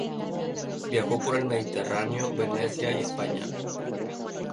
Viajó por el Mediterráneo, Venecia y España.